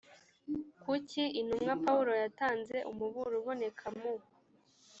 kuki intumwa pawulo yatanze umuburo uboneka mu